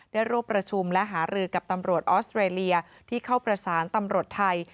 ร่วมประชุมและหารือกับตำรวจออสเตรเลียที่เข้าประสานตำรวจไทย